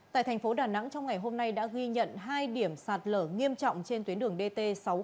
tại thành phố đà nẵng trong ngày hôm nay đã ghi nhận hai điểm sạt lở nghiêm trọng trên tuyến đường dt sáu trăm sáu mươi